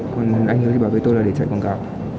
còn anh hứa thì bảo với tôi là để chạy quảng cáo